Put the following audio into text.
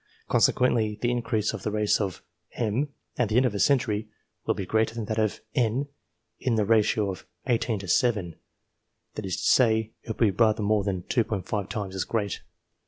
Consequently the increase of the race of M at the end of a century, will be greater than that of N in the ratio of 18 toTTthat is to say, it will be rather more than 2tiiiu'S as great.